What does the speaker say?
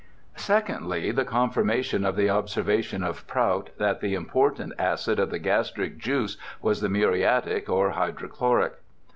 Secondly, the confirmation of the observation of Prout that the important acid of the gastric juice was the muriatic or hydrochloric.